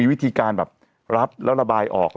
วิธีการแบบรับแล้วระบายออก